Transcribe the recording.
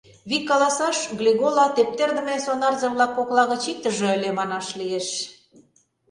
Вик каласаш, Глегола тептердыме сонарзе-влак кокла гыч иктыже ыле, манаш лиеш.